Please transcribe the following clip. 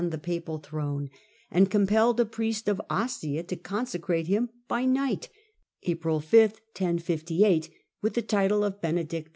45 the papal throne, and compelled a priest of Ostia ta consecrate him by night (April 5), with the title of Benedict X.